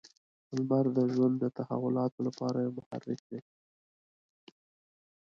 • لمر د ژوند د تحولاتو لپاره یو محرک دی.